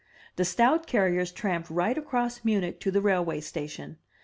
The stout carriers tramped right across Munich to the railway station.